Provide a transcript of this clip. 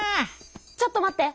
ちょっと待って！